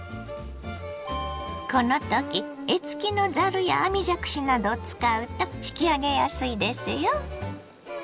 このとき柄付きのざるや網じゃくしなどを使うと引き上げやすいですよ。